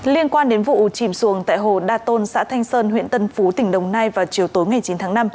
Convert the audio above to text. liên quan đến vụ chìm xuồng tại hồ đa tôn xã thanh sơn huyện tân phú tỉnh đồng nai vào chiều tối ngày chín tháng năm